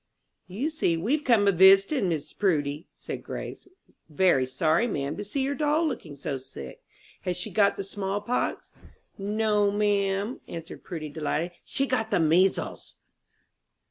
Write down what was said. "You see we've come a visiting, Mrs. Prudy," said Grace. "Very sorry, ma'am, to see your doll looking so sick. Has she got the smallpox?" "No, ma'am," answered Prudy, delighted, "she's got the measles!"